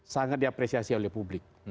sangat diapresiasi oleh publik